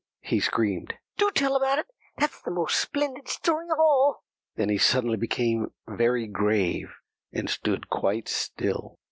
he screamed, "do tell about it. That's the most splendid story of all!" Then he suddenly became very grave, and stood quite still.